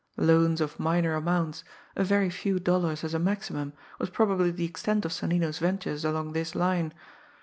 Loans of minor amounts, a very few dollars as a maximum, was probably the extent of Sonnino's ventures along this line.